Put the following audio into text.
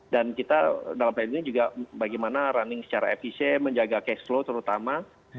dan kita dalam hal ini juga bagaimana running secara efisien menjaga cash flow terutama